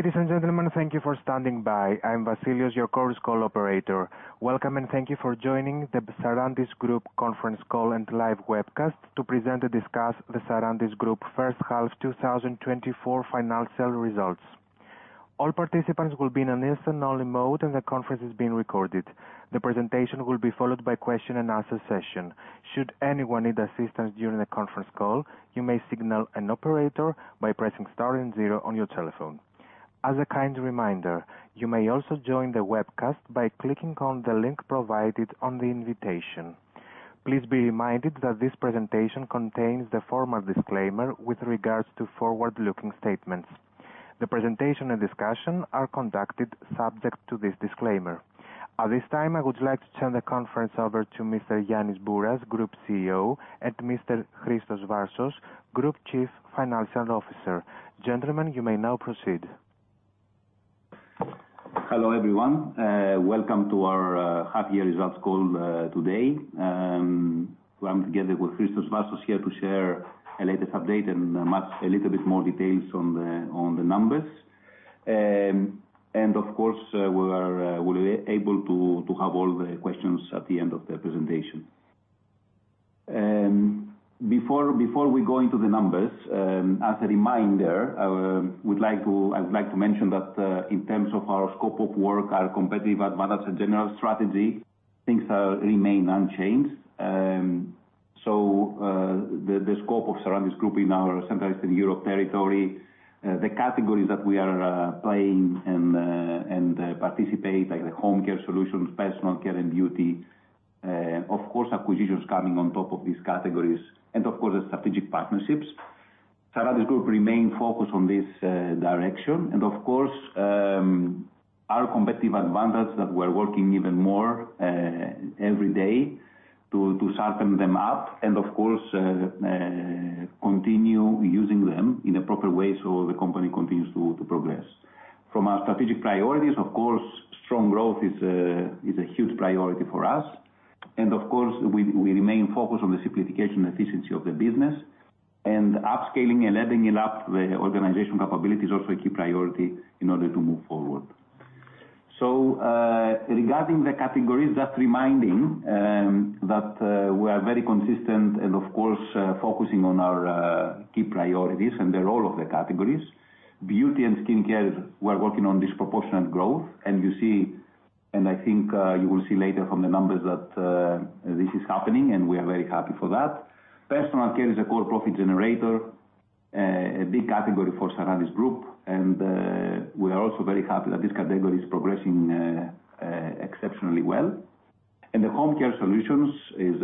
Ladies and gentlemen, thank you for standing by. I'm Vasilios, your Chorus Call operator. Welcome, and thank you for joining the Sarantis Group conference call and live webcast to present and discuss the Sarantis Group first half, 2024 financial results. All participants will be in a listen-only mode, and the conference is being recorded. The presentation will be followed by question and answer session. Should anyone need assistance during the conference call, you may signal an operator by pressing star and zero on your telephone. As a kind reminder, you may also join the webcast by clicking on the link provided on the invitation. Please be reminded that this presentation contains the formal disclaimer with regards to forward-looking statements. The presentation and discussion are conducted subject to this disclaimer. At this time, I would like to turn the conference over to Mr. Yannis Bouras, Group CEO, and Mr. Christos Varsos, Group Chief Financial Officer. Gentlemen, you may now proceed. Hello, everyone, welcome to our half year results call today. We're together with Christos Varsos here to share the latest update and much a little bit more details on the numbers, and of course, we'll be able to have all the questions at the end of the presentation. Before we go into the numbers, as a reminder, we'd like to- I would like to mention that, in terms of our scope of work, our competitive advantage and general strategy, things are remain unchanged. The scope of Sarantis Group in our Central and Eastern Europe territory, the categories that we are playing and participate, like the home care solutions, personal care, and beauty, of course, acquisitions coming on top of these categories and, of course, the strategic partnerships. Sarantis Group remain focused on this direction, and of course, our competitive advantage that we're working even more every day to sharpen them up and of course, continue using them in a proper way so the company continues to progress. From our strategic priorities, of course, strong growth is a huge priority for us, and of course, we remain focused on the simplification and efficiency of the business. Upscaling and leveling it up the organization capability is also a key priority in order to move forward. Regarding the categories, just reminding that we are very consistent and of course focusing on our key priorities and the role of the categories. Beauty and skincare, we're working on disproportionate growth, and you see, and I think you will see later from the numbers that this is happening, and we are very happy for that. Personal care is a core profit generator, a big category for Sarantis Group, and we are also very happy that this category is progressing exceptionally well. The homecare solutions is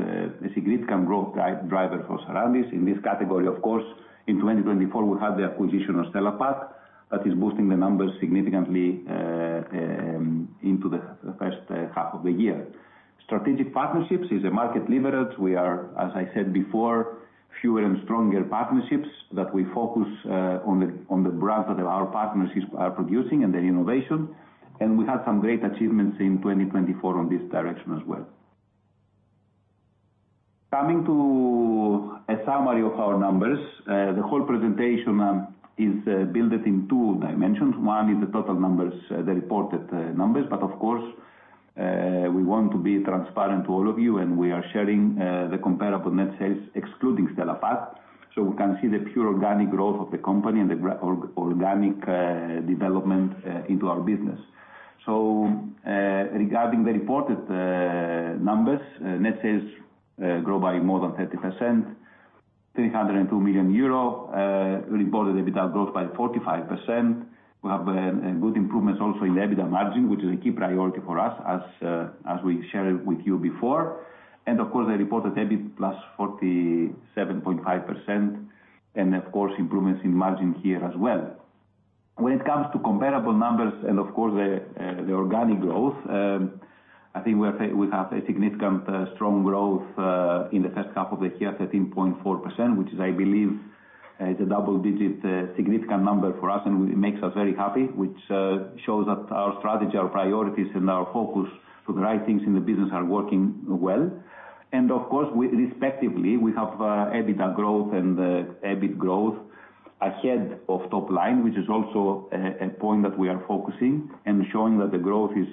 a significant growth driver for Sarantis. In this category, of course, in 2024 we had the acquisition of Stella Pack. That is boosting the numbers significantly into the first half of the year. Strategic partnerships is a market leverage. We are, as I said before, fewer and stronger partnerships that we focus on the brands that our partners are producing and their innovation. And we had some great achievements in 2024 on this direction as well. Coming to a summary of our numbers, the whole presentation is built in two dimensions. One is the total numbers, the reported numbers, but of course, we want to be transparent to all of you, and we are sharing the comparable net sales, excluding Stella Pack, so we can see the pure organic growth of the company and the organic development into our business. Regarding the reported numbers, net sales grow by more than 30%, 302 million euro, reported EBITDA growth by 45%. We have good improvements also in EBITDA margin, which is a key priority for us, as we shared with you before. And of course, the reported EBIT plus 47.5%, and of course, improvements in margin here as well. When it comes to comparable numbers and of course, the organic growth, I think we have a significant strong growth in the first half of the year, 13.4%, which is, I believe, is a double-digit significant number for us, and it makes us very happy, which shows that our strategy, our priorities, and our focus to the right things in the business are working well. And of course, we respectively have EBITDA growth and EBIT growth ahead of top line, which is also a point that we are focusing and showing that the growth is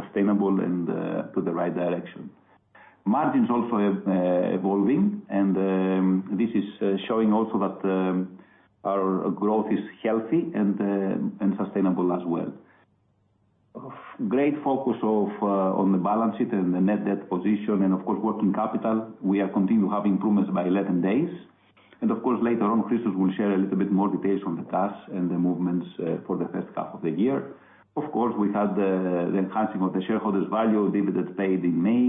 sustainable and to the right direction. Margins also evolving, and this is showing also that our growth is healthy and sustainable as well. Great focus on the balance sheet and the net debt position and of course, working capital. We are continue to have improvements by 11 days. Of course, later on, Christos will share a little bit more details on the tasks and the movements for the first half of the year. Of course, we had the enhancing of the shareholders' value, dividend paid in May,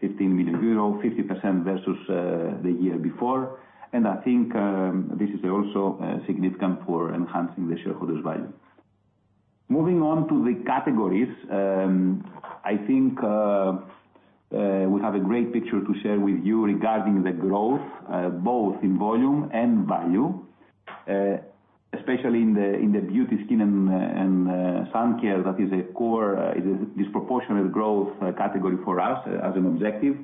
15 million euro, 50% versus the year before. I think this is also significant for enhancing the shareholders' value. Moving on to the categories, I think we have a great picture to share with you regarding the growth both in volume and value especially in the beauty, skin, and sun care. That is a core disproportionate growth category for us as an objective.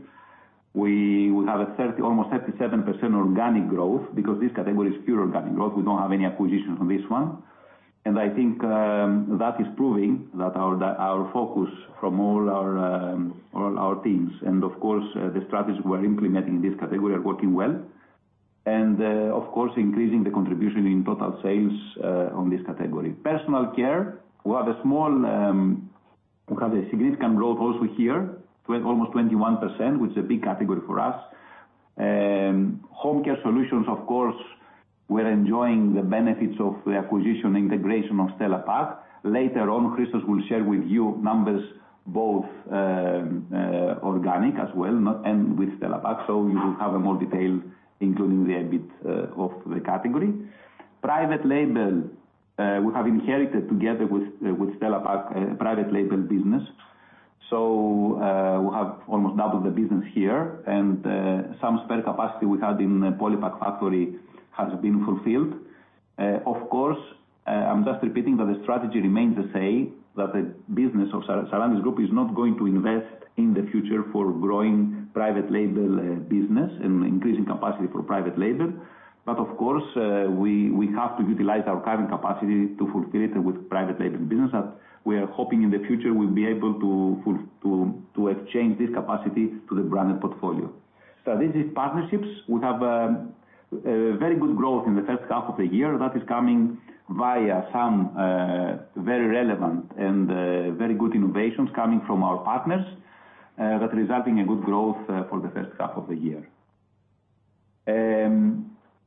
We have almost 37% organic growth, because this category is pure organic growth. We don't have any acquisition from this one, and I think that is proving that our focus from all our teams and, of course, the strategy we're implementing in this category are working well, and of course, increasing the contribution in total sales on this category. Personal care, we have a significant growth also here, almost 21%, which is a big category for us. Home care solutions, of course, we're enjoying the benefits of the acquisition integration of Stella Pack. Later on, Christos will share with you numbers both organic as well and with Stella Pack, so you will have a more detail, including the EBIT of the category. Private label, we have inherited together with, with Stella Pack, private label business. So, we have almost doubled the business here, and, some spare capacity we had in the Polipak factory has been fulfilled. Of course, I'm just repeating that the strategy remains the same, that the business of Sarantis Group is not going to invest in the future for growing private label, business and increasing capacity for private label. But of course, we have to utilize our current capacity to fulfill it with private label business. And we are hoping in the future we'll be able to to exchange this capacity to the branded portfolio. So this is partnerships. We have a very good growth in the first half of the year, that is coming via some very relevant and very good innovations coming from our partners that resulting in good growth for the first half of the year.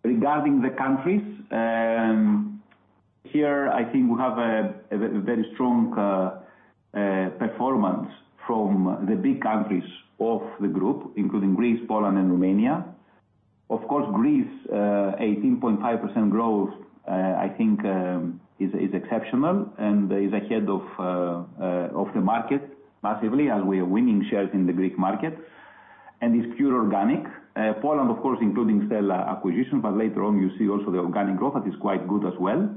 Regarding the countries here, I think we have a very very strong performance from the big countries of the group, including Greece, Poland, and Romania. Of course, Greece 18.5% growth I think is exceptional and is ahead of the market massively, as we are winning shares in the Greek market, and is pure organic. Poland, of course, including Stella acquisition, but later on, you see also the organic growth that is quite good as well.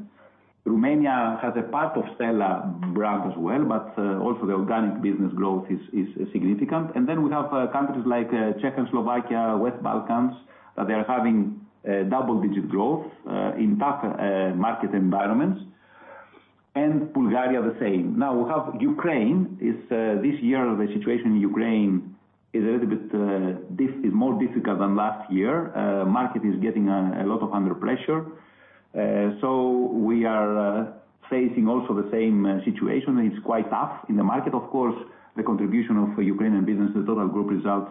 Romania has a part of Stella brand as well, but also the organic business growth is significant, and then we have countries like Czech and Slovakia, West Balkans, that they are having double-digit growth in tough market environments, and Bulgaria, the same. Now we have Ukraine. This year the situation in Ukraine is a little bit more difficult than last year. Market is getting under a lot of pressure. So we are facing also the same situation. It's quite tough in the market. Of course, the contribution of Ukrainian business to total group sales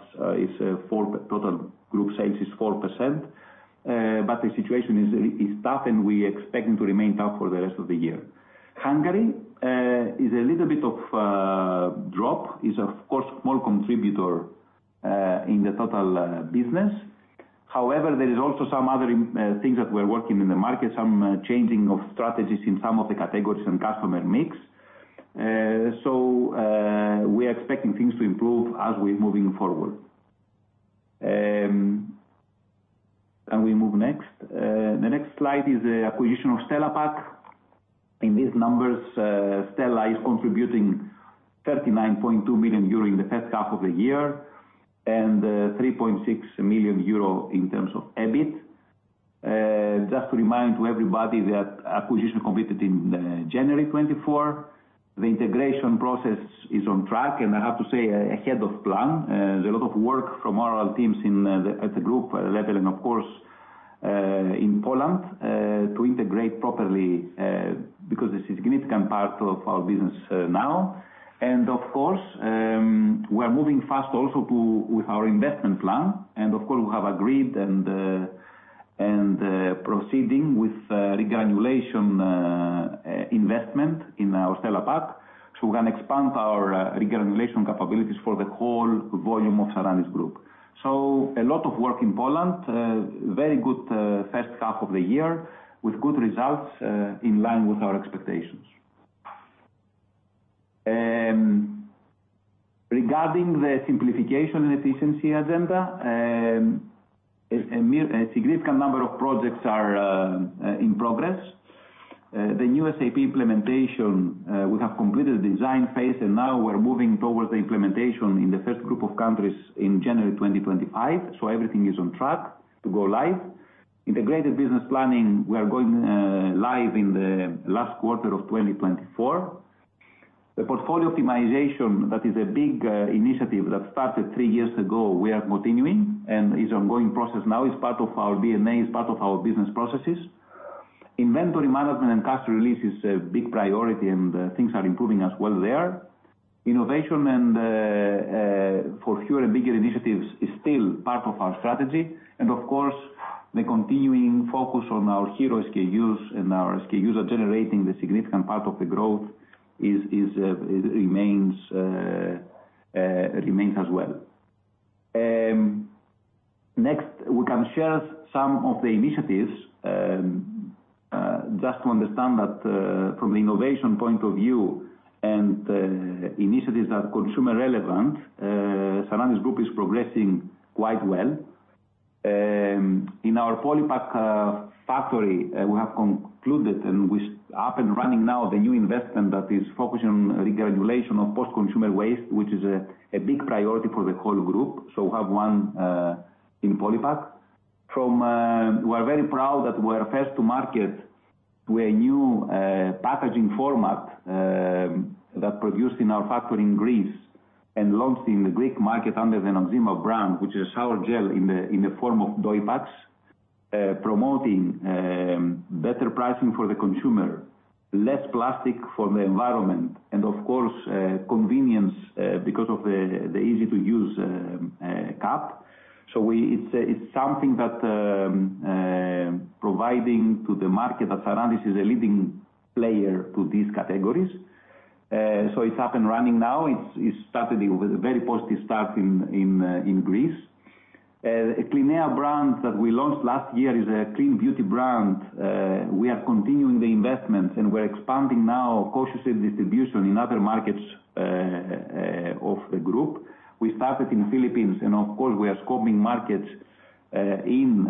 is 4%. But the situation is tough, and we are expecting it to remain tough for the rest of the year. Hungary is a little bit of a drop. is, of course, a small contributor in the total business. However, there is also some other things that we're working in the market, some changing of strategies in some of the categories and customer mix. So, we are expecting things to improve as we're moving forward. And we move next. The next slide is the acquisition of Stella Pack. In these numbers, Stella is contributing 39.2 million euro in the first half of the year, and three point six million EUR in terms of EBIT. Just to remind everybody that acquisition completed in January 2024. The integration process is on track, and I have to say, ahead of plan. There's a lot of work from all our teams at the group level, and of course in Poland to integrate properly, because it's a significant part of our business now. And of course, we are moving fast also with our investment plan, and of course, we have agreed and proceeding with regranulation investment in our Stella Pack. So we can expand our regranulation capabilities for the whole volume of Sarantis Group. So a lot of work in Poland. Very good first half of the year, with good results in line with our expectations. Regarding the simplification and efficiency agenda, a significant number of projects are in progress. The new SAP implementation, we have completed the design phase, and now we're moving towards the implementation in the first group of countries in January 2025. So everything is on track to go live. Integrated business planning, we are going live in the last quarter of 2024. The portfolio optimization, that is a big initiative that started three years ago, we are continuing, and is ongoing process now. It's part of our DNA, it's part of our business processes. Inventory management and cash release is a big priority, and things are improving as well there. Innovation and for fewer and bigger initiatives is still part of our strategy. And of course, the continuing focus on our hero SKUs and our SKUs are generating the significant part of the growth is it remains as well. Next, we can share some of the initiatives, just to understand that, from the innovation point of view and, initiatives that are consumer relevant, Sarantis Group is progressing quite well. In our Polipak factory, we have concluded and we up and running now the new investment that is focused on the regranulation of post-consumer waste, which is a big priority for the whole group, so we have one, in Polipak. Furthermore, we are very proud that we are first to market with a new packaging format that produced in our factory in Greece and launched in the Greek market under the Noxzema brand, which is our gel in the form of Doypacks, promoting better pricing for the consumer, less plastic for the environment, and of course, convenience because of the easy-to-use cap. It's something that providing to the market that Sarantis is a leading player to these categories. It's up and running now. It started with a very positive start in Greece. Clinéa brand that we launched last year is a clean beauty brand. We are continuing the investments, and we're expanding now cautiously distribution in other markets of the group. We started in Philippines, and of course, we are scoping markets in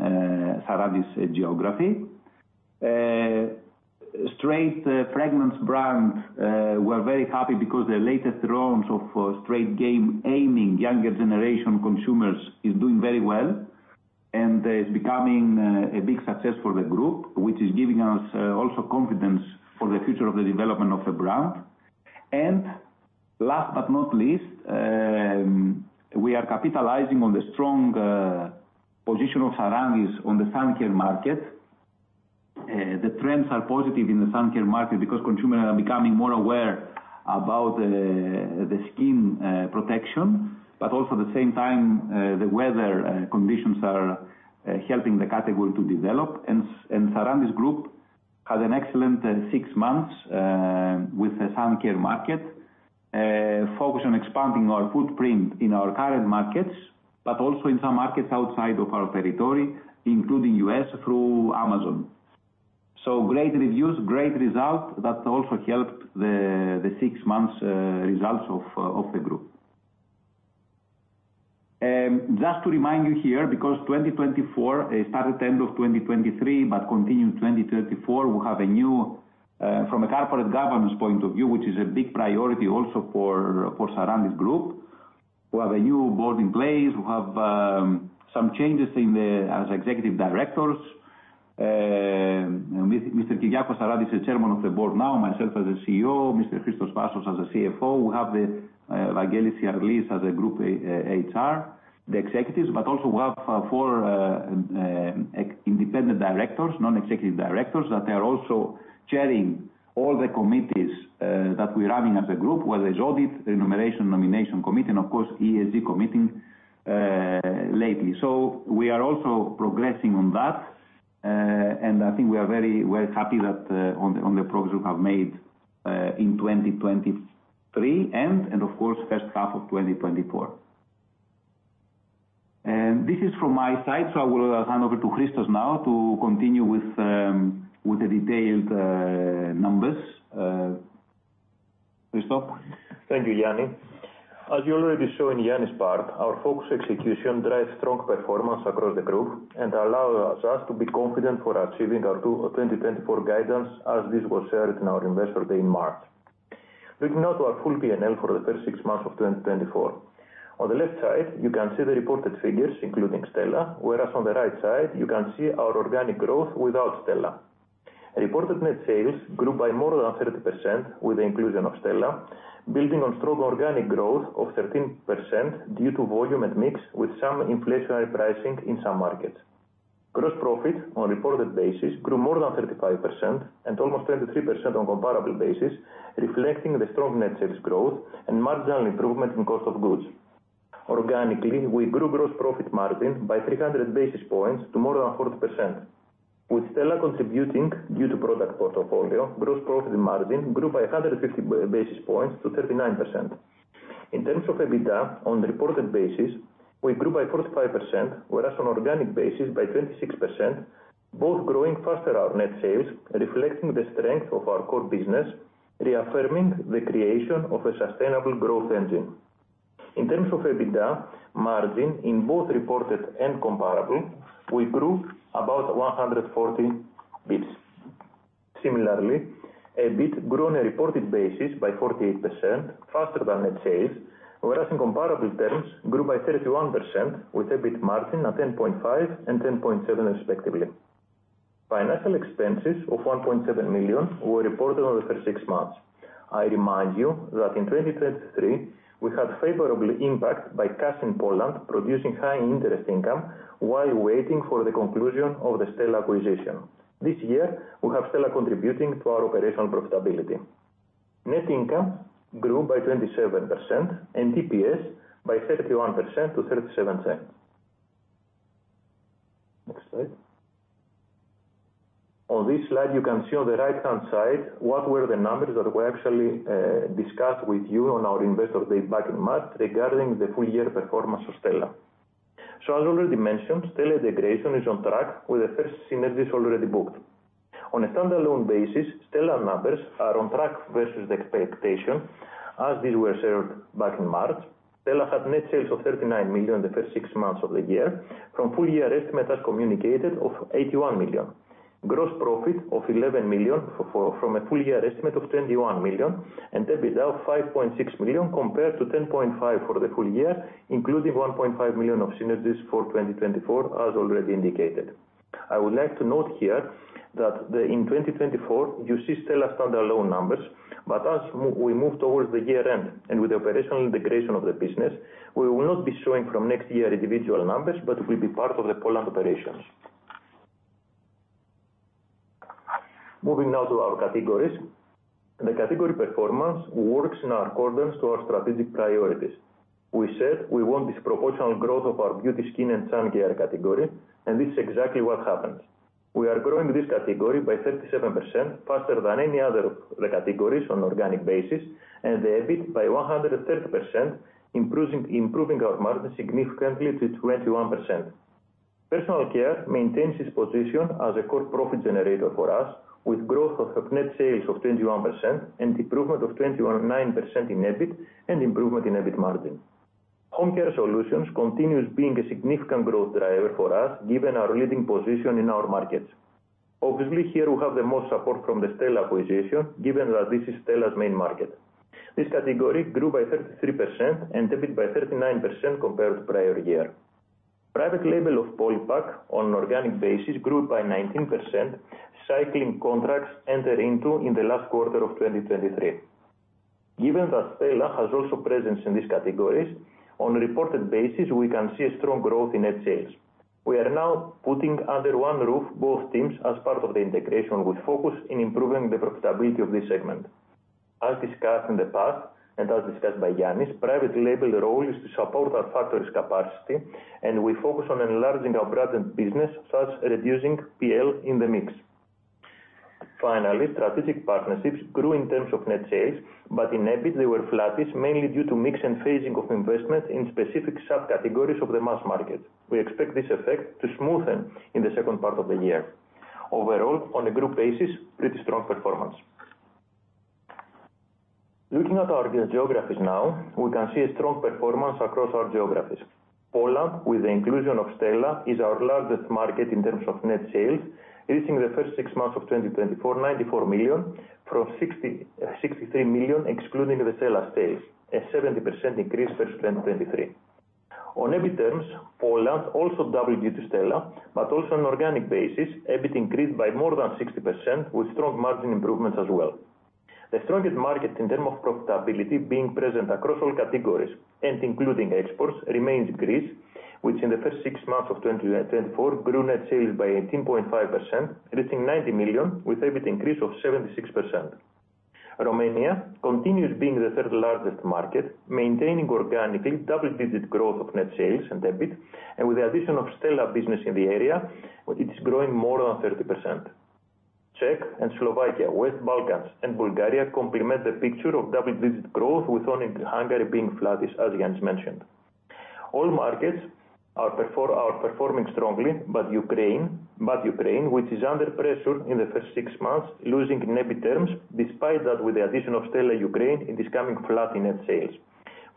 Sarantis geography. STR8 fragrance brand, we're very happy because the latest rounds of STR8 fragrance aiming younger generation consumers is doing very well and is becoming a big success for the group, which is giving us also confidence for the future of the development of the brand. And last but not least, we are capitalizing on the strong position of Sarantis on the sun care market. The trends are positive in the sun care market because consumers are becoming more aware about the skin protection, but also the same time the weather conditions are helping the category to develop. Sarantis Group had an excellent six months with the sun care market focused on expanding our footprint in our current markets, but also in some markets outside of our territory, including U.S., through Amazon. Great reviews, great result. That also helped the six months results of the group. Just to remind you here, because 2024, it started end of 2023, but continued 2024, we have a new from a corporate governance point of view, which is a big priority also for Sarantis Group. We have a new board in place. We have some changes in the as executive directors. Mr. Kyriakos Sarantis is chairman of the board now, myself as the CEO, Mr. Christos Varsos as the CFO. We have the Vangelis Siarlis as a Group HR, the executives, but also we have four independent directors, non-executive directors, that they are also chairing all the committees that we're running as a group, whether it's audit, remuneration, nomination committee, and of course, ESG committee lately. So we are also progressing on that, and I think we are very happy that on the progress we have made in 2023, and of course, first half of 2024. And this is from my side, so I will hand over to Christos now to continue with the detailed numbers. Christos? Thank you, Yannis. As you already saw in Yannis' part, our focused execution drives strong performance across the group and allows us to be confident for achieving our 2024 guidance, as this was shared in our Investor Day in March. Looking now to our full PNL for the first six months of 2024. On the left side, you can see the reported figures, including Stella, whereas on the right side, you can see our organic growth without Stella. Reported net sales grew by more than 30% with the inclusion of Stella, building on strong organic growth of 13% due to volume and mix, with some inflationary pricing in some markets. Gross profit on a reported basis grew more than 35% and almost 23% on comparable basis, reflecting the strong net sales growth and marginal improvement in cost of goods. Organically, we grew gross profit margin by 300 basis points to more than 40%, with Stella contributing due to product portfolio. Gross profit margin grew by a 150 basis points to 39%. In terms of EBITDA, on reported basis, we grew by 45%, whereas on organic basis, by 26%, both growing faster our net sales, reflecting the strength of our core business, reaffirming the creation of a sustainable growth engine. In terms of EBITDA margin, in both reported and comparable, we grew about 140 basis points. Similarly, EBIT grew on a reported basis by 48%, faster than net sales, whereas in comparable terms, grew by 31%, with EBIT margin at 10.5% and 10.7% respectively. Financial expenses of 1.7 million were reported on the first six months. I remind you that in 2023, we had favorably impact by cash in Poland, producing high interest income while waiting for the conclusion of the Stella acquisition. This year, we have Stella contributing to our operational profitability. Net income grew by 27% and EPS by 31% to 0.37 EUR. Next slide. On this slide, you can see on the right-hand side what were the numbers that we actually discussed with you on our Investor Day back in March regarding the full year performance of Stella. So as already mentioned, Stella integration is on track with the first synergies already booked. On a standalone basis, Stella numbers are on track versus the expectation, as these were set back in March. Stella had net sales of 39 million in the first six months of the year, from full year estimate as communicated of 81 million. Gross profit of 11 million from a full year estimate of 21 million, and EBITDA of 5.6 million compared to 10.5 million for the full year, including 1.5 million of synergies for 2024, as already indicated. I would like to note here that in 2024, you see Stella standalone numbers, but as we move towards the year end and with the operational integration of the business, we will not be showing from next year individual numbers, but will be part of the Poland operations. Moving now to our categories. The category performance works in accordance to our strategic priorities. We said we want disproportional growth of our beauty, skin and sun care category, and this is exactly what happens. We are growing this category by 37% faster than any other of the categories on organic basis, and the EBIT by 130%, improving our margin significantly to 21%. Personal care maintains its position as a core profit generator for us, with growth of net sales of 21% and improvement of 21.9% in EBIT and improvement in EBIT margin. Home care solutions continues being a significant growth driver for us, given our leading position in our markets. Obviously, here we have the most support from the Stella acquisition, given that this is Stella's main market. This category grew by 33% and EBIT by 39% compared to prior year. Private label of Polipak on an organic basis grew by 19%, cycling contracts entered into in the last quarter of 2023. Given that Stella has also presence in these categories, on a reported basis, we can see a strong growth in net sales. We are now putting under one roof both teams as part of the integration, with focus in improving the profitability of this segment. As discussed in the past, and as discussed by Yannis, private label role is to support our factory's capacity, and we focus on enlarging our branded business, thus reducing PL in the mix. Finally, strategic partnerships grew in terms of net sales, but in EBIT they were flattest, mainly due to mix and phasing of investment in specific subcategories of the mass market. We expect this effect to smoothen in the second part of the year. Overall, on a group basis, pretty strong performance. Looking at our geographies now, we can see a strong performance across our geographies. Poland, with the inclusion of Stella, is our largest market in terms of net sales, reaching EUR 94 million in the first six months of 2024 from 60.63 million, excluding the Stella sales, a 70% increase versus 2023. On EBIT terms, Poland also doubled due to Stella, but also on an organic basis, EBIT increased by more than 60%, with strong margin improvements as well. The strongest market in terms of profitability being present across all categories and including exports, remains Greece, which in the first six months of 2024 grew net sales by 18.5%, reaching 90 million, with EBIT increase of 76%. Romania continues being the third largest market, maintaining organically double-digit growth of net sales and EBIT, and with the addition of Stella business in the area, it is growing more than 30%. Czech and Slovakia, West Balkans and Bulgaria complement the picture of double-digit growth, with only Hungary being flattest, as Yannis mentioned. All markets are performing strongly, but Ukraine, which is under pressure in the first six months, losing in EBIT terms, despite that with the addition of Stella Ukraine, it is coming flat in net sales.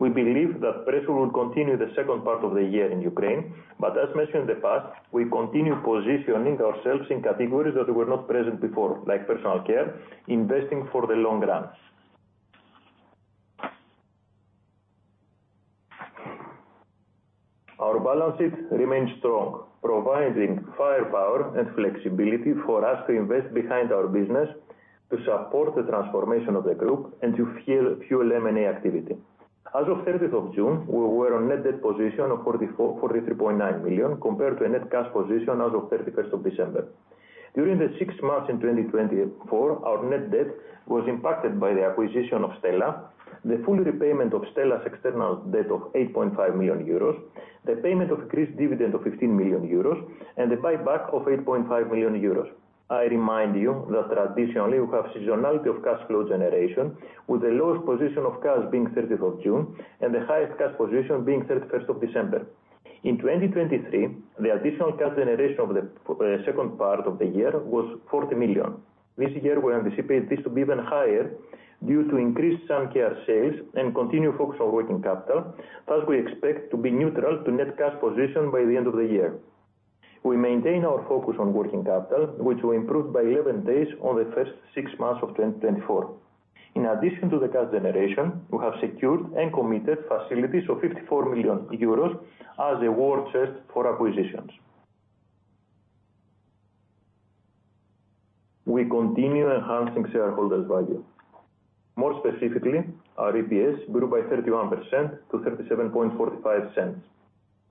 We believe that pressure will continue the second part of the year in Ukraine, but as mentioned in the past, we continue positioning ourselves in categories that were not present before, like personal care, investing for the long runs. Our balance sheet remains strong, providing firepower and flexibility for us to invest behind our business, to support the transformation of the group and to fuel M&A activity. As of thirtieth of June, we were on net debt position of 44, 43.9 million, compared to a net cash position as of thirty-first of December. During the six months in 2024, our net debt was impacted by the acquisition of Stella, the full repayment of Stella's external debt of 8.5 million euros, the payment of increased dividend of 15 million euros, and the buyback of 8.5 million euros. I remind you that traditionally, we have seasonality of cash flow generation, with the lowest position of cash being thirtieth of June and the highest cash position being thirty-first of December. In 2023, the additional cash generation of the second part of the year was 40 million. This year, we anticipate this to be even higher due to increased sun care sales and continued focus on working capital, thus we expect to be neutral to net cash position by the end of the year. We maintain our focus on working capital, which we improved by 11 days on the first 6 months of 2024. In addition to the cash generation, we have secured and committed facilities of 54 million euros as a war chest for acquisitions. We continue enhancing shareholder value. More specifically, our EPS grew by 31% to 0.3745. We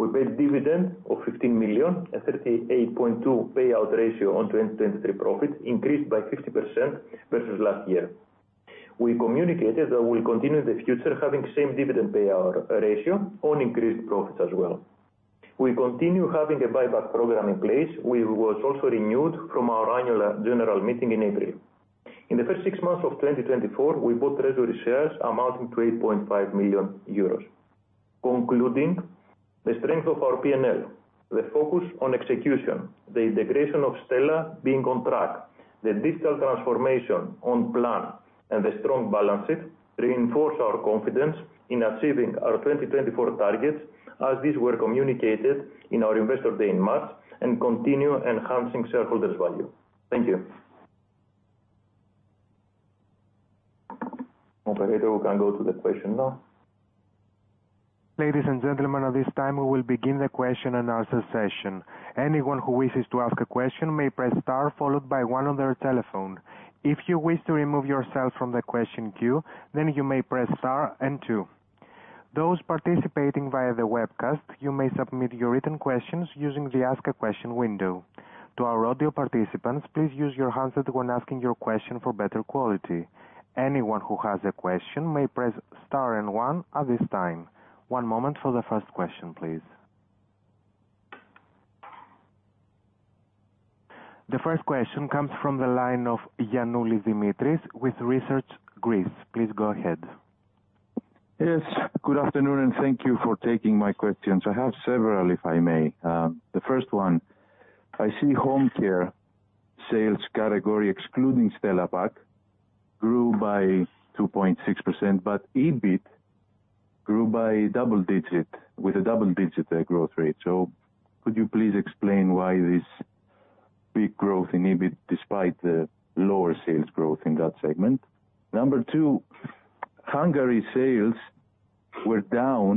paid dividend of 15 million, a 38.2% payout ratio on 2023 profit, increased by 50% versus last year. We communicated that we'll continue in the future having same dividend payout ratio on increased profits as well. We continue having a buyback program in place, which was also renewed from our annual general meeting in April. In the first six months of 2024, we bought treasury shares amounting to 8.5 million euros.... Concluding, the strength of our PNL, the focus on execution, the integration of Stella being on track, the digital transformation on plan, and the strong balances reinforce our confidence in achieving our 2024 targets as these were communicated in our investor day in March, and continue enhancing shareholders value. Thank you. Operator, we can go to the question now. Ladies and gentlemen, at this time we will begin the question and answer session. Anyone who wishes to ask a question may press star followed by one on their telephone. If you wish to remove yourself from the question queue, then you may press star and two. Those participating via the webcast, you may submit your written questions using the ask a question window. To our audio participants, please use your headset when asking your question for better quality. Anyone who has a question may press star and one at this time. One moment for the first question, please. The first question comes from the line of Dimitris Yannoulis with Research Greece. Please go ahead. Yes, good afternoon, and thank you for taking my questions. I have several, if I may. The first one, I see home care sales category, excluding Stella Pack, grew by 2.6%, but EBIT grew by double digit, with a double digit growth rate. So could you please explain why this big growth in EBIT, despite the lower sales growth in that segment? Number two, Hungary sales were down,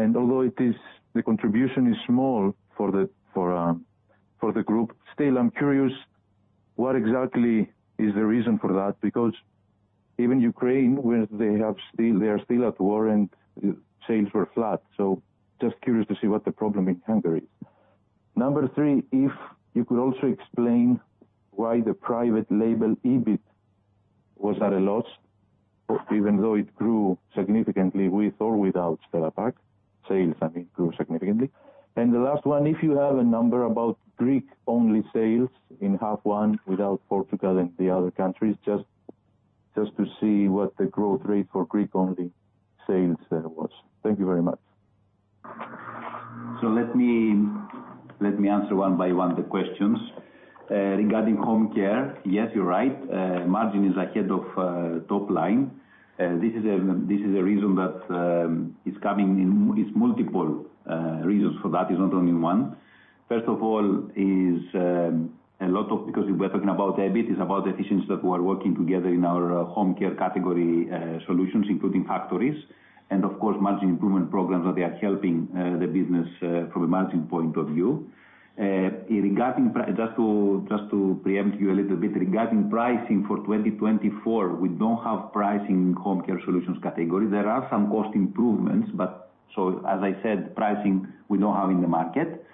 and although its contribution is small for the group, still, I'm curious what exactly is the reason for that? Because even Ukraine, where they are still at war and sales were flat, so just curious to see what the problem in Hungary is. Number three, if you could also explain why the private label EBIT was at a loss, even though it grew significantly with or without Stella Pack. Sales, I mean, grew significantly. And the last one, if you have a number about Greek-only sales in half one without Portugal and the other countries, just to see what the growth rate for Greek-only sales there was. Thank you very much. So let me answer one by one the questions. Regarding home care, yes, you're right, margin is ahead of top line. This is a reason that is coming in. It's multiple reasons for that, is not only one. First of all, is a lot of because we're talking about EBIT, is about efficiencies that we are working together in our home care category solutions, including factories, and of course, margin improvement programs that they are helping the business from a margin point of view. Regarding just to preempt you a little bit, regarding pricing for 2024, we don't have pricing home care solutions category. There are some cost improvements, but so as I said, pricing we don't have in the market.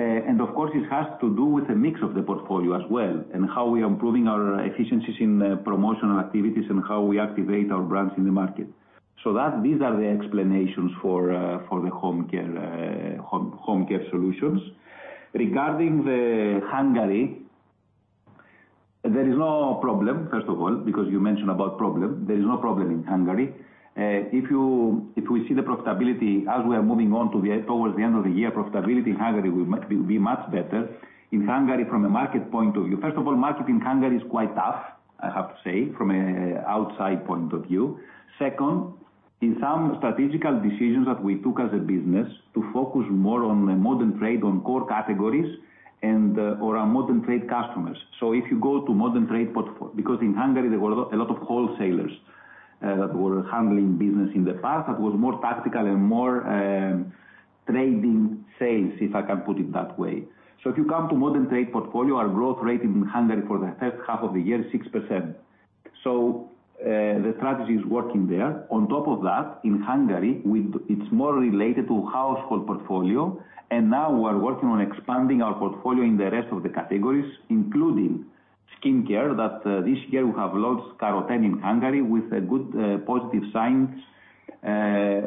And of course, it has to do with the mix of the portfolio as well, and how we are improving our efficiencies in promotional activities and how we activate our brands in the market. So that these are the explanations for the home care solutions. Regarding Hungary, there is no problem, first of all, because you mentioned about problem. There is no problem in Hungary. If we see the profitability as we are moving towards the end of the year, profitability in Hungary will be much better. In Hungary, from a market point of view, first of all, market in Hungary is quite tough, I have to say, from an outside point of view. Second, in some strategical decisions that we took as a business to focus more on modern trade, on core categories and, or on modern trade customers. So if you go to modern trade portfolio because in Hungary, there were a lot, a lot of wholesalers that were handling business in the past, that was more tactical and more trading sales, if I can put it that way. So if you come to modern trade portfolio, our growth rate in Hungary for the first half of the year, 6%. So the strategy is working there. On top of that, in Hungary, what's more related to household portfolio, and now we are working on expanding our portfolio in the rest of the categories, including skincare, that this year we have launched Caroten in Hungary with a good positive signs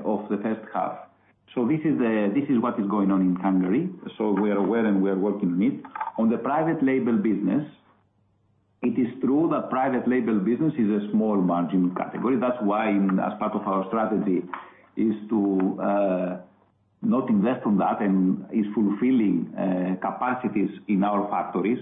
of the first half. So this is, this is what is going on in Hungary. So we are aware, and we are working on it. On the private label business, it is true that private label business is a small margin category. That's why as part of our strategy is to, not invest on that and is fulfilling, capacities in our factories.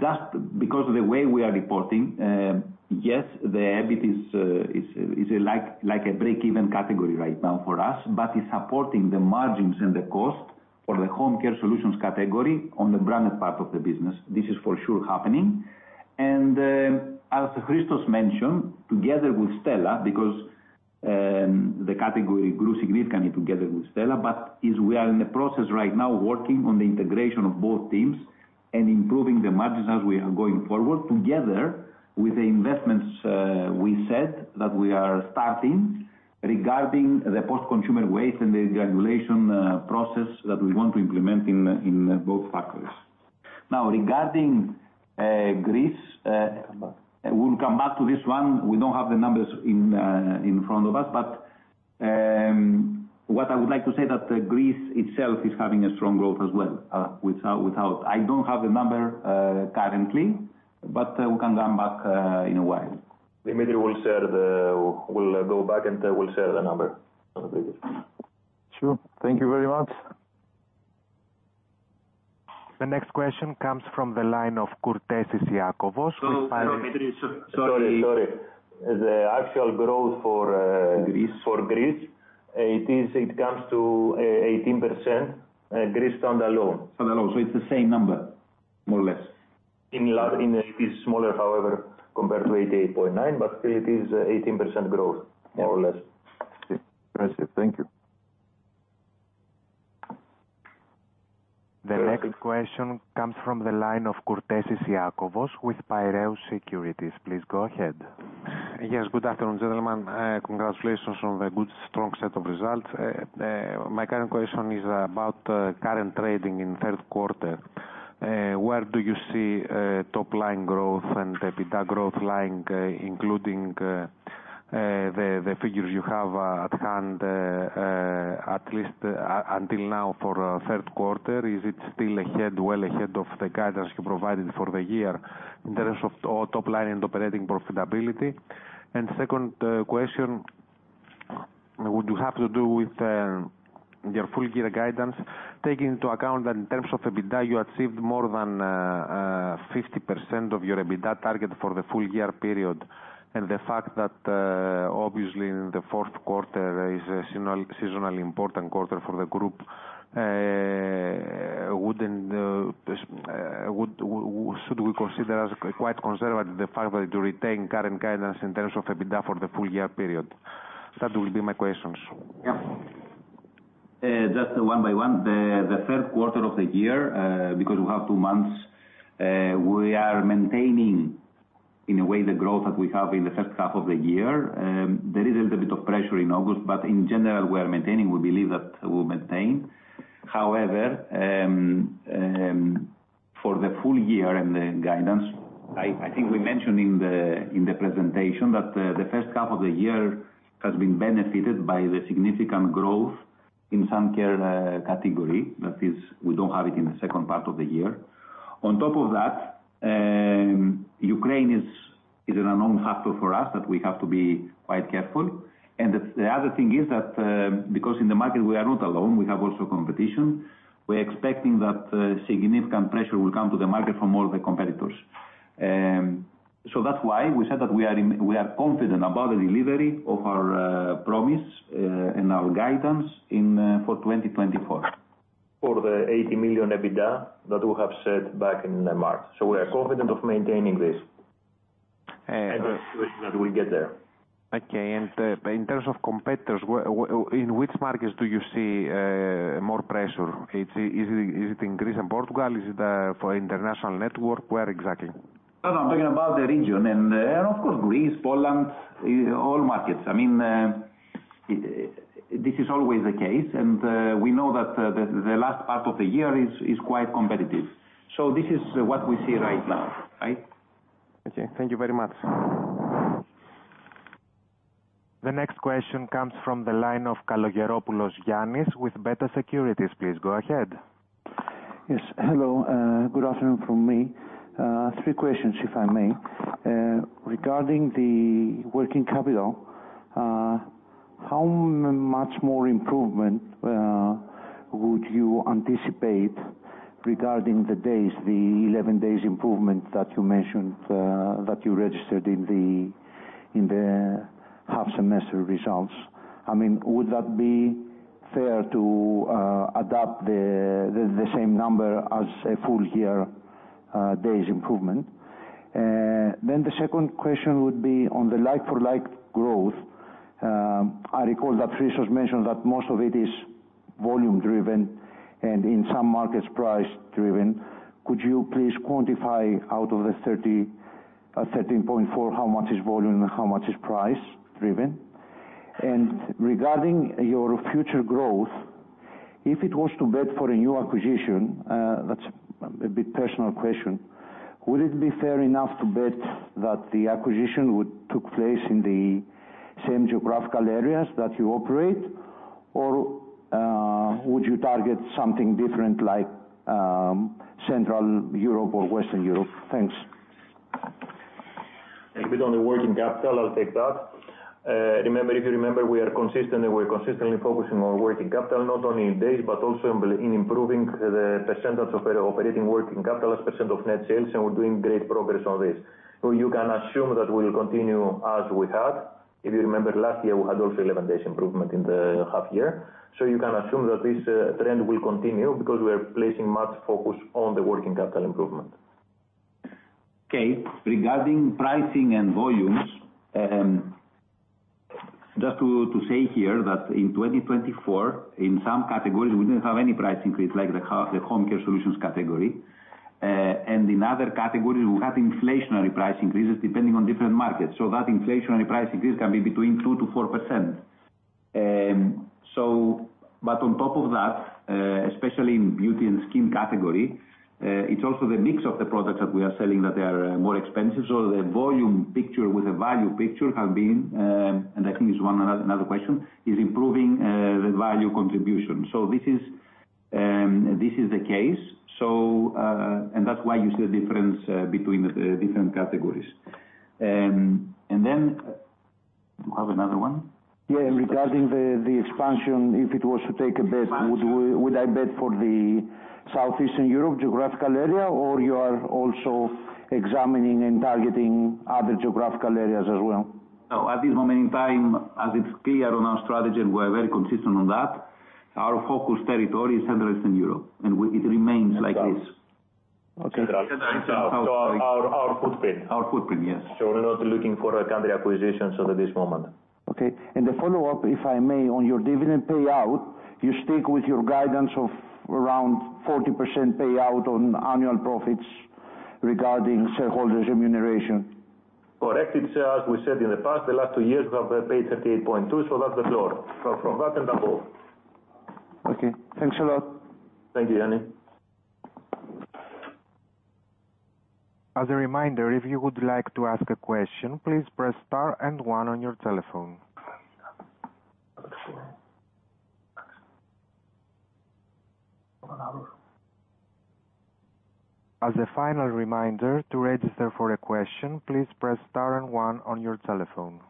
Just because of the way we are reporting, yes, the EBIT is, is a like, a break-even category right now for us, but is supporting the margins and the cost for the home care solutions category on the branded part of the business. This is for sure happening. As Christos mentioned, together with Stella, because the category grew significantly together with Stella, but we are in the process right now working on the integration of both teams and improving the margins as we are going forward, together with the investments we said that we are starting regarding the post-consumer waste and the regulation process that we want to implement in both factories. Now, regarding Greece, we'll come back to this one. We don't have the numbers in front of us, but what I would like to say that Greece itself is having a strong growth as well, without. I don't have the number currently, but we can come back in a while. Dimitris will share the, we'll go back, and we'll share the number on the brief. Sure. Thank you very much. The next question comes from the line of Iakovos Kourtesis with- Sorry, sorry. The actual growth for- Greece. For Greece, it is, it comes to 18%, Greece standalone. Standalone. So it's the same number, more or less? Similar. It is smaller, however, compared to 88.9, but still it is 18% growth, more or less. I see. Thank you. The next question comes from the line of Iakovos Kourtesis with Piraeus Securities. Please go ahead. Yes, good afternoon, gentlemen. Congratulations on the good, strong set of results. My current question is about current trading in third quarter. Where do you see top line growth and EBITDA growth lying, including the figures you have at hand, at least until now for third quarter? Is it still ahead, well ahead of the guidance you provided for the year in terms of top line and operating profitability? And second question would have to do with your full year guidance. Taking into account that in terms of EBITDA, you achieved more than 50% of your EBITDA target for the full year period, and the fact that, obviously in the fourth quarter is a seasonal, seasonally important quarter for the group, wouldn't should we consider as quite conservative the fact that you retain current guidance in terms of EBITDA for the full year period? That will be my questions. Yeah. Just one by one. The third quarter of the year, because we have two months, we are maintaining, in a way, the growth that we have in the first half of the year. There is a little bit of pressure in August, but in general, we are maintaining. We believe that we'll maintain. However, for the full year and the guidance, I think we mentioned in the presentation that the first half of the year has been benefited by the significant growth in sun care category. That is, we don't have it in the second part of the year. On top of that, Ukraine is an unknown factor for us, that we have to be quite careful. And the other thing is that, because in the market we are not alone, we have also competition, we're expecting that significant pressure will come to the market from all the competitors. So that's why we said that we are confident about the delivery of our promise, and our guidance for 2024. For the 80 million EBITDA that we have set back in March. So we are confident of maintaining this, and that we get there. Okay. And in terms of competitors, in which markets do you see more pressure? Is it in Greece and Portugal? Is it for international network? Where exactly? No, I'm talking about the region and, of course, Greece, Poland, all markets. I mean, this is always the case, and, we know that, the last part of the year is quite competitive. So this is what we see right now, right? Okay, thank you very much. The next question comes from the line of Yannis Kalogeropoulos with Beta Securities. Please go ahead. Yes, hello. Good afternoon from me. Three questions, if I may. Regarding the working capital, how much more improvement would you anticipate regarding the days, the 11 days improvement that you mentioned, that you registered in the half-year results? I mean, would that be fair to adopt the same number as a full year days improvement? Then the second question would be on the like-for-like growth. I recall that Varsos mentioned that most of it is volume driven and in some markets, price driven. Could you please quantify, out of the 30, 13.4, how much is volume and how much is price driven? And regarding your future growth, if it was to bet for a new acquisition, that's a bit personal question, would it be fair enough to bet that the acquisition would took place in the same geographical areas that you operate? Or, would you target something different, like, Central Europe or Western Europe? Thanks. If it's on the working capital, I'll take that. Remember, if you remember, we are consistent, and we're consistently focusing on working capital, not only in days but also in improving the percentage of operating working capital as percent of net sales, and we're doing great progress on this. So you can assume that we will continue as we had. If you remember, last year, we had also eleven days improvement in the half year. So you can assume that this trend will continue because we are placing much focus on the working capital improvement. Okay. Regarding pricing and volumes, just to say here that in 2024, in some categories, we didn't have any price increase, like the home care solutions category. And in other categories, we have inflationary price increases depending on different markets. So that inflationary price increase can be between 2%-4%. So but on top of that, especially in beauty and skin category, it's also the mix of the products that we are selling that are more expensive. So the volume picture with the value picture have been, and I think it's one, another question, is improving, the value contribution. And this is the case, so, and that's why you see a difference, between the different categories. And then, do you have another one? Yeah, regarding the expansion, if it was to take a bet, would we, would I bet for the Southeastern Europe geographical area or you are also examining and targeting other geographical areas as well? No, at this moment in time, as it's clear on our strategy, and we're very consistent on that, our focus territory is Central and Eastern Europe, and it remains like this. Okay. Our footprint. Our footprint, yes. So we're not looking for a country acquisitions over this moment. Okay. And a follow-up, if I may, on your dividend payout, you stick with your guidance of around 40% payout on annual profits regarding shareholders remuneration? Correct. It's, as we said in the past, the last two years, we have paid 38.2, so that's the floor. So from that and above. Okay, thanks a lot. Thank you, Yannis. As a reminder, if you would like to ask a question, please press star and one on your telephone. As a final reminder, to register for a question, please press star and one on your telephone.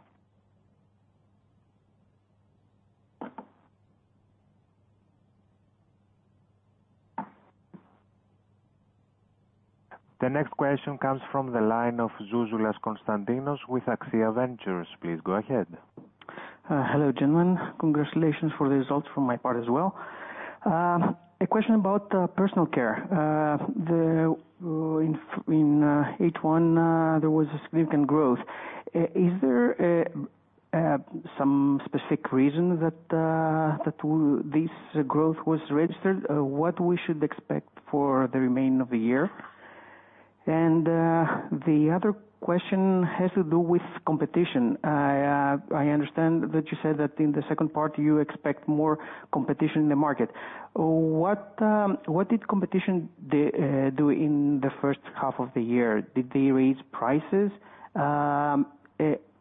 The next question comes from the line of Konstantinos Zouzulas with Axia Ventures. Please go ahead. Hello, gentlemen. Congratulations for the results from my part as well. A question about personal care. In H1 there was a significant growth. Is there some specific reason that this growth was registered? What should we expect for the remaining of the year? And the other question has to do with competition. I understand that you said that in the second part, you expect more competition in the market. What did competition do in the first half of the year? Did they raise prices?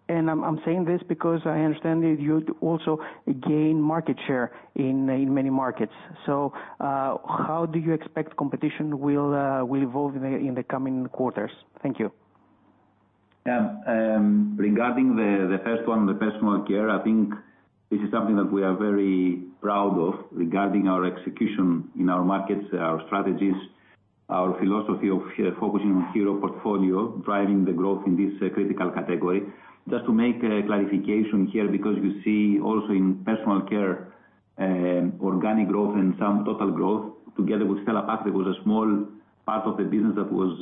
And I'm saying this because I understand that you'd also gain market share in many markets. So how do you expect competition will evolve in the coming quarters? Thank you. Regarding the first one, the personal care, I think this is something that we are very proud of regarding our execution in our markets, our strategies, our philosophy of focusing on hero portfolio, driving the growth in this critical category. Just to make clarification here, because you see also in personal care, organic growth and some total growth together with Stella Pack, there was a small part of the business that was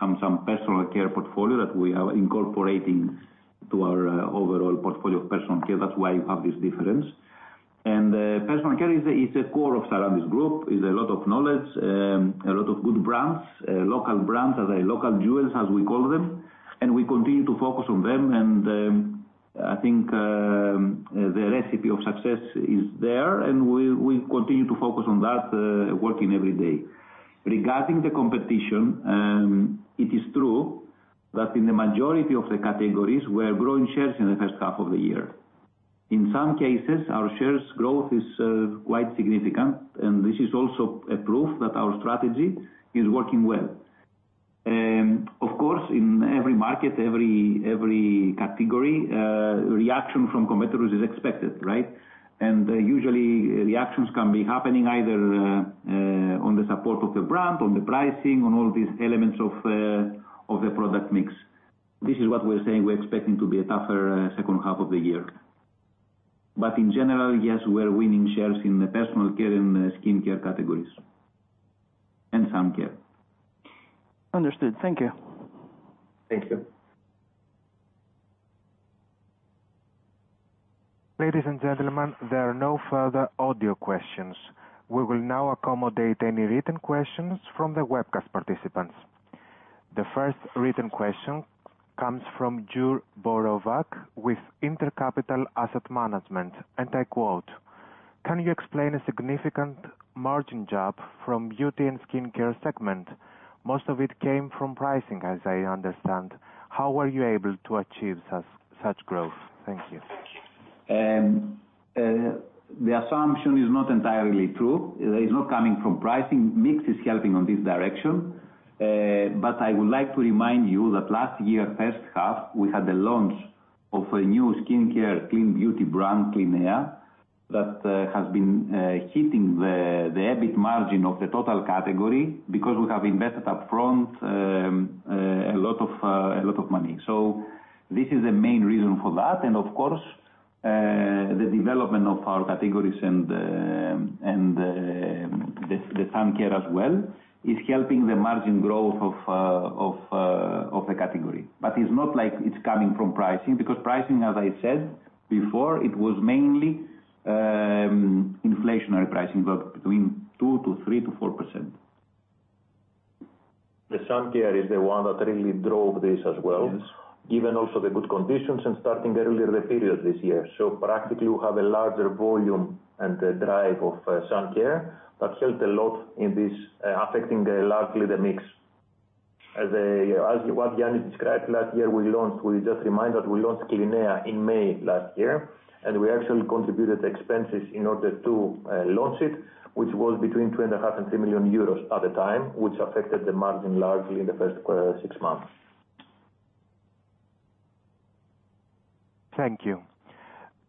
some personal care portfolio that we are incorporating to our overall portfolio of personal care. That's why you have this difference. And personal care is a core of Sarantis Group, is a lot of knowledge, a lot of good brands, local brands, as local jewels, as we call them, and we continue to focus on them. I think the recipe of success is there, and we continue to focus on that, working every day. Regarding the competition, it is true that in the majority of the categories, we are growing shares in the first half of the year. In some cases, our shares growth is quite significant, and this is also a proof that our strategy is working well. Of course, in every market, every category, reaction from competitors is expected, right? Usually, reactions can be happening either on the support of the brand, on the pricing, on all these elements of the product mix. This is what we're saying, we're expecting to be a tougher second half of the year, but in general, yes, we're winning shares in the personal care and skin care categories, and sun care. Understood. Thank you. Thank you. Ladies and gentlemen, there are no further audio questions. We will now accommodate any written questions from the webcast participants. The first written question comes from Juraj Borovac with InterCapital Asset Management, and I quote: "Can you explain a significant margin jump from beauty and skincare segment? Most of it came from pricing, as I understand. How were you able to achieve such growth?" Thank you. The assumption is not entirely true. It is not coming from pricing. Mix is helping on this direction, but I would like to remind you that last year, first half, we had the launch of a new skincare clean beauty brand, Clinéa, that has been hitting the EBIT margin of the total category because we have invested upfront a lot of money, so this is the main reason for that. And of course, the development of our categories and the sun care as well is helping the margin growth of the category, but it's not like it's coming from pricing, because pricing, as I said before, it was mainly inflationary pricing, but between 2%-3%-4%. The sun care is the one that really drove this as well. Yes. Even also the good conditions and starting earlier the period this year. So practically, we have a larger volume and the drive of sun care that helped a lot in this affecting largely the mix.... as what Yannis described, last year we launched. We just remind that we launched Clinéa in May last year, and we actually contributed expenses in order to launch it, which was between 2.5 and 3 million euros at the time, which affected the margin largely in the first six months. Thank you.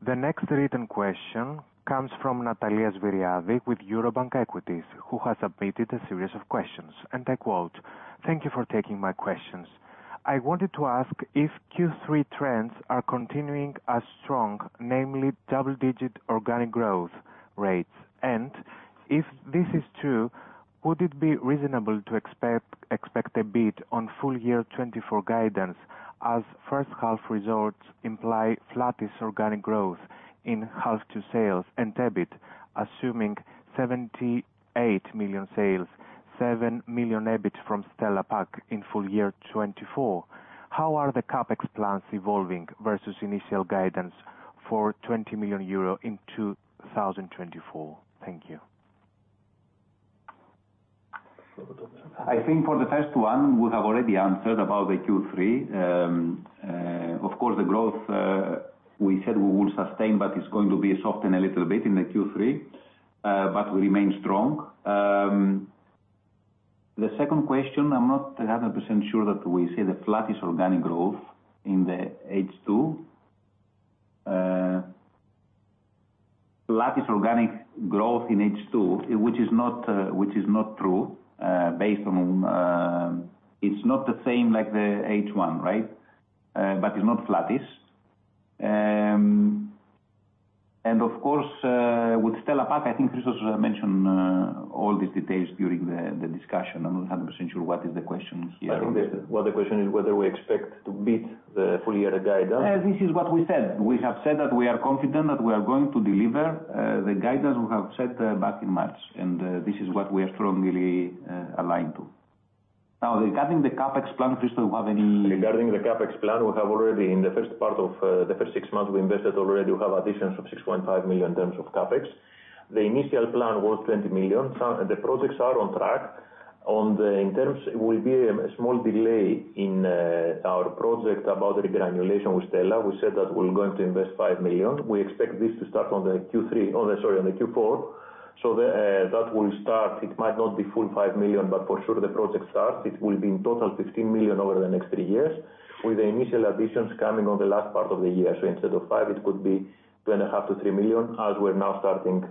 The next written question comes from Natalia Sviridova with Eurobank Equities, who has submitted a series of questions, and I quote: "Thank you for taking my questions. I wanted to ask if Q3 trends are continuing as strong, namely double-digit organic growth rates. And if this is true, would it be reasonable to expect a beat on full year 2024 guidance, as first half results imply flattish organic growth in half to sales and EBIT, assuming 78 million sales, 7 million EBIT from Stella Pack in full year 2024? How are the CapEx plans evolving versus initial guidance for 20 million euro in 2024? Thank you. I think for the first one, we have already answered about the Q3. Of course, the growth, we said we will sustain, but it's going to be softer a little bit in the Q3, but we remain strong. The second question, I'm not 100% sure that we see the flattest organic growth in the H2. Flattest organic growth in H2, which is not true, based on... It's not the same like the H1, right? But it's not flattest. And of course, with Stella Pack, I think Christos mentioned all these details during the discussion. I'm not 100% sure what is the question here. I think the, well, the question is whether we expect to beat the full year guide? This is what we said. We have said that we are confident that we are going to deliver the guidance we have set back in March, and this is what we are strongly aligned to. Now, regarding the CapEx plan, Christos, do you have any- Regarding the CapEx plan, we have already in the first part of the first six months, we invested already, we have additions of 6.5 million in terms of CapEx. The initial plan was 20 million. So the projects are on track. In terms, it will be a small delay in our project about the granulation with Stella. We said that we're going to invest 5 million. We expect this to start on the Q3, oh, sorry, on the Q4. So the that will start. It might not be full 5 million, but for sure, the project starts. It will be in total 16 million over the next three years, with the initial additions coming on the last part of the year. So instead of 5 million, it could be 2.5- 3 million, as we're now starting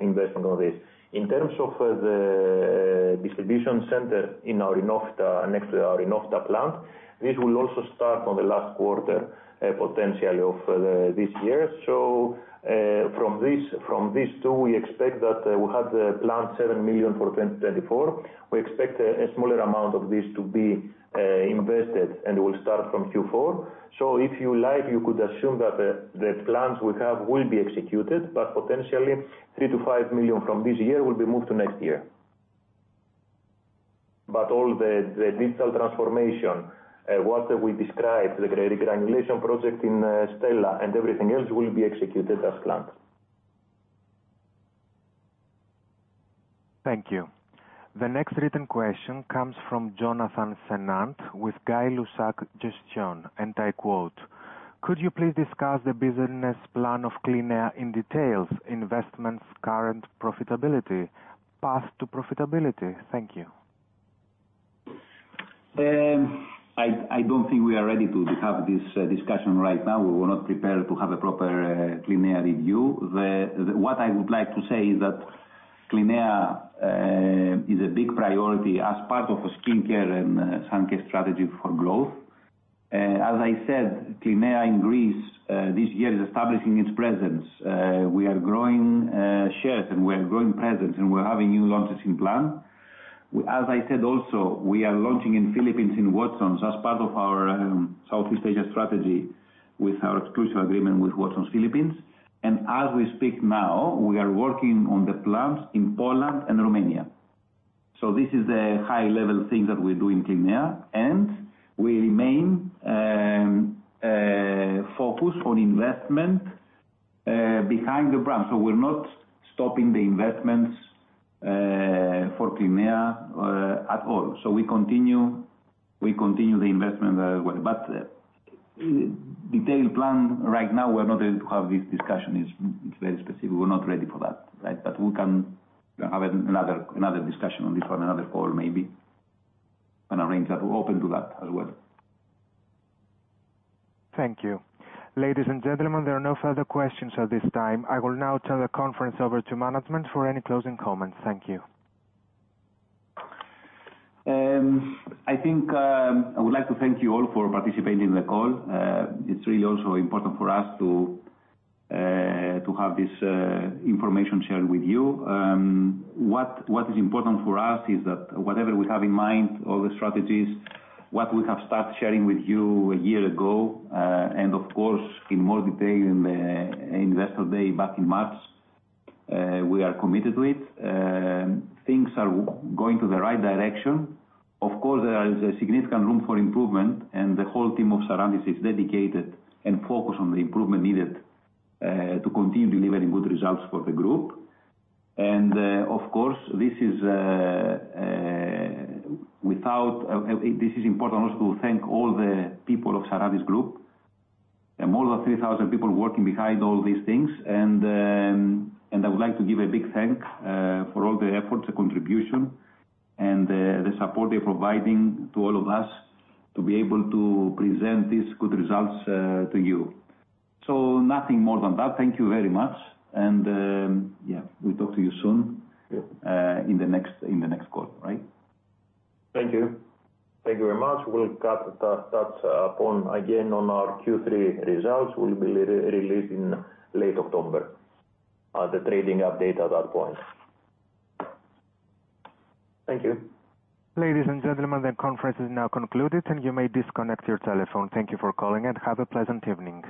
investment on this. In terms of the distribution center in our Oinofyta, next to our Oinofyta plant, this will also start on the last quarter, potentially of this year. So, from this, from these two, we expect that we have the planned 7 million for 2024. We expect a smaller amount of this to be invested, and will start from Q4. So if you like, you could assume that the plans we have will be executed, but potentially 3 million-5 million from this year will be moved to next year. But all the digital transformation, what we described, the granulation project in Stella and everything else will be executed as planned. Thank you. The next written question comes from Jonathan Senant with Gay-Lussac Gestion, and I quote: "Could you please discuss the business plan of Clinéa in details, investments, current profitability, path to profitability? Thank you. I don't think we are ready to have this discussion right now. We were not prepared to have a proper, Clinéa review. What I would like to say is that Clinéa is a big priority as part of a skincare and sun care strategy for growth. As I said, Clinéa in Greece this year is establishing its presence. We are growing shares, and we are growing presence, and we're having new launches in plan. As I said also, we are launching in Philippines, in Watsons, as part of our Southeast Asia strategy with our exclusive agreement with Watsons Philippines, and as we speak now, we are working on the plans in Poland and Romania. This is the high-level things that we do in Clinéa, and we remain focused on investment behind the brand. We're not stopping the investments for Clinéa at all. We continue the investment, but detailed plan right now, we're not able to have this discussion. It's very specific. We're not ready for that, right? We can have another discussion on this on another call, maybe, and arrange that. We're open to that as well. Thank you. Ladies and gentlemen, there are no further questions at this time. I will now turn the conference over to management for any closing comments. Thank you. I think I would like to thank you all for participating in the call. It's really also important for us to have this information shared with you. What is important for us is that whatever we have in mind, all the strategies, what we have started sharing with you a year ago, and of course, in more detail in the Investor Day, back in March, we are committed to it. Things are going in the right direction. Of course, there is a significant room for improvement, and the whole team of Sarantis is dedicated and focused on the improvement needed to continue delivering good results for the group. And, of course, this is without... This is important also to thank all the people of Sarantis Group, and more than three thousand people working behind all these things. And I would like to give a big thank for all the efforts, the contribution, and the support they're providing to all of us to be able to present these good results to you. So nothing more than that. Thank you very much. And yeah, we'll talk to you soon in the next call. Right? Thank you. Thank you very much. We'll touch upon again on our Q3 results, will be released in late October, the trading update at that point. Thank you. Ladies and gentlemen, the conference is now concluded, and you may disconnect your telephone. Thank you for calling and have a pleasant evening.